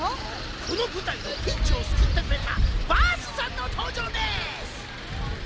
このぶたいのピンチをすくってくれたバースさんのとうじょうです！